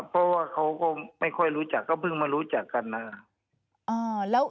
เพราะว่าเขาก็ไม่ค่อยรู้จักก็เพิ่งมารู้จักกันนะครับ